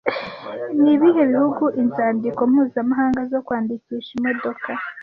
Nibihe bihugu inzandiko mpuzamahanga zo kwandikisha imodoka